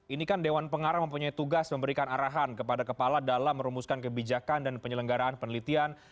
ini kan dewan pengarah mempunyai tugas memberikan arahan kepada kepala dalam merumuskan kebijakan dan penyelenggaraan penelitian